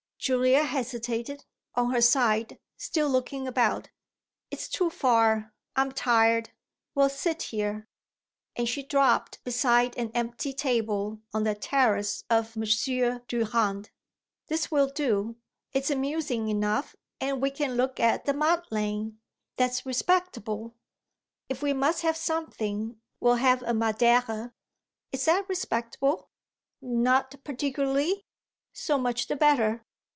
Julia hesitated, on her side, still looking about. "It's too far; I'm tired; we'll sit here." And she dropped beside an empty table on the "terrace" of M. Durand. "This will do; it's amusing enough and we can look at the Madeleine that's respectable. If we must have something we'll have a madère is that respectable? Not particularly? So much the better.